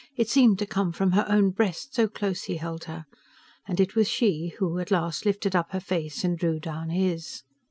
It seemed to come from her own breast, so close he held her; and it was she who, at last, lifted up her face and drew down his.